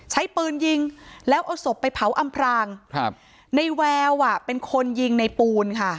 ใช้ปืนยิงแล้วเอาศพไปเผาอำพรางครับในแววอ่ะเป็นคนยิงในปูนค่ะ